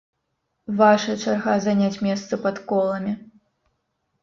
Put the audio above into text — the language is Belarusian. Ваша чарга заняць месца пад коламі!